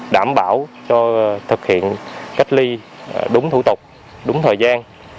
đảm bảo cho thực hiện cách ly đúng thủ tục đúng thời gian